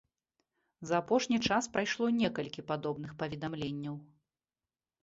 За апошні час прайшло некалькі падобных паведамленняў.